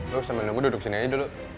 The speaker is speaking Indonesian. lo sambil nunggu duduk sini aja dulu